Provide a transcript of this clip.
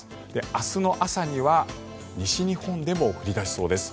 明日の朝には西日本でも降り出しそうです。